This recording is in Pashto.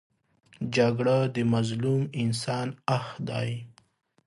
جګړه د مظلوم انسان آه دی